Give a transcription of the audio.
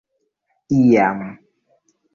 iam